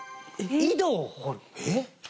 「井戸を掘る」えっ！